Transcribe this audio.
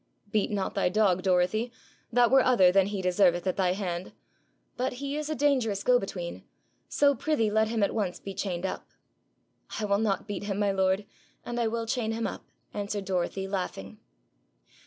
Beat not thy dog, Dorothy: that were other than he deserveth at thy hand. But he is a dangerous go between, so prithee let him be at once chained up.' 'I will not beat him, my lord, and I will chain him up,' answered Dorothy, laughing.